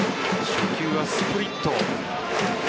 初球はスプリット。